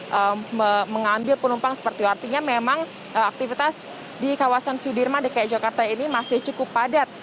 jadi mengambil penumpang seperti artinya memang aktivitas di kawasan sudirman dki jakarta ini masih cukup padat